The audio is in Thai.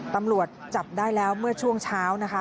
ตำรวจจับได้แล้วเมื่อช่วงเช้านะคะ